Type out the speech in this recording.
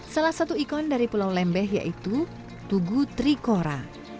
salah satu ikon dari pulau lembeh adalah kota ketua